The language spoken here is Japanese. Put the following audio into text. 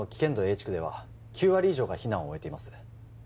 地区では９割以上が避難を終えています